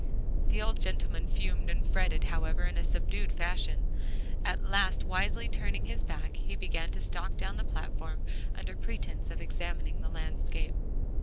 The old gentleman fumed and fretted, however, in a subdued fashion; at last wisely turning his back, he began to stalk down the platform, under pretense of examining the landscape.